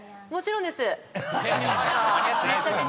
もちろんです。